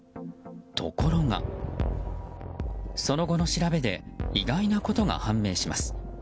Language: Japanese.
ところが、その後の調べで意外なことが判明します。